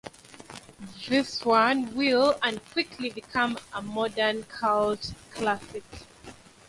This one will and quickly became a modern cult classic.